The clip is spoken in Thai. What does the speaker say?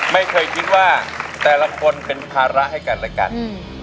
ไม่เคยคิดว่าแต่ละคนเป็นภาระให้กันและกัน